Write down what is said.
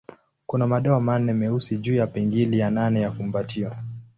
Kuna madoa manne meusi juu ya pingili ya nane ya fumbatio.